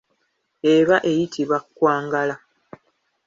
Eba eyitibwa kkwangala.